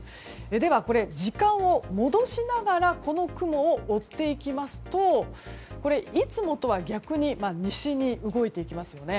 では、時間を戻しながらこの雲を追っていきますといつもとは逆に西に動いていきますよね。